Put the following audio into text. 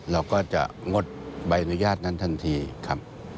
เราก็จะงดใบอนุญาตนั้นทันทีครับ